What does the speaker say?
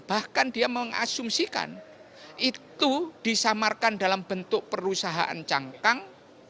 bahkan dia mengasumsikan itu disamarkan dalam bentuk perusahaan cangkang